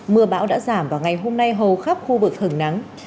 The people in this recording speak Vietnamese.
mưa bão đã giảm vào ngày hôm nay hầu khắp khu vực hứng nắng